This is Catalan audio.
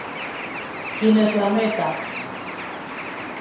Quina és la meta?